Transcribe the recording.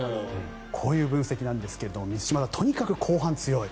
こういう分析なんですが満島さん、とにかく後半強い。